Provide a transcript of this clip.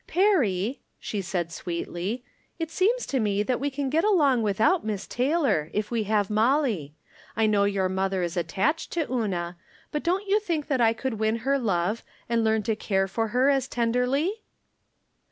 "Perry," she said, sweetly, "it seems to me that we can get along without Miss Taylor, if we have Molly. I know your mother is attached to Una, but don't you think that I could win her love, and learn to care for her as ten derly?"